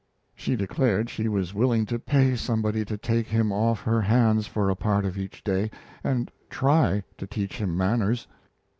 She declared she was willing to pay somebody to take him off her hands for a part of each day and try to teach him manners.